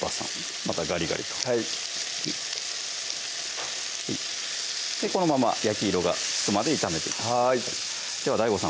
またガリガリとはいこのまま焼き色がつくまで炒めていきますではＤＡＩＧＯさん